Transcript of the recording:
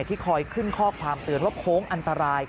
ที่คอยขึ้นข้อความเตือนว่าโค้งอันตราย